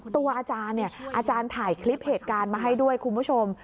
อาจารย์เนี่ยอาจารย์ถ่ายคลิปเหตุการณ์มาให้ด้วยคุณผู้ชม